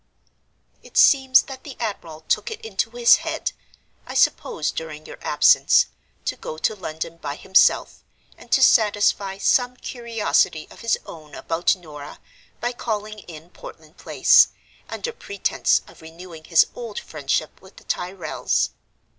"It seems that the admiral took it into his head (I suppose during your absence) to go to London by himself and to satisfy some curiosity of his own about Norah by calling in Portland Place, under pretense of renewing his old friendship with the Tyrrels.